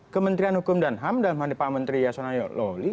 kementerian hukum dan ham dan md pak menteri yason ayololi